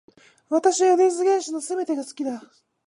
私は米津玄師の全てが好きだ